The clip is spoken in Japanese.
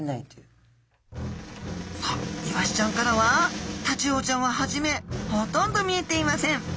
イワシちゃんからはタチウオちゃんは初めほとんど見えていません。